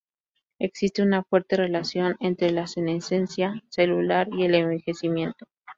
Existe una fuerte relación entre la senescencia celular y el envejecimiento.